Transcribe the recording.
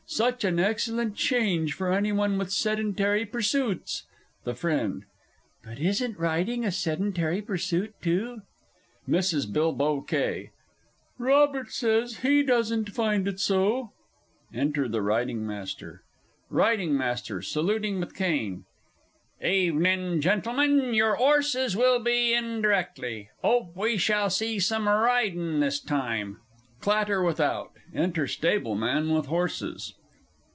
Such an excellent change for any one with sedentary pursuits! THE FRIEND. But isn't riding a sedentary pursuit, too? MRS. B. K. Robert says he doesn't find it so. [Enter the RIDING MASTER. RIDING MASTER (saluting with cane). Evenin', Gentlemen your 'orses will be in directly; 'ope we shall see some ridin' this time. (_Clatter without; enter Stablemen with horses.